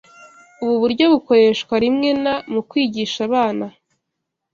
Ubu buryo bukoreshwa rimwe na mu kwigisha abana,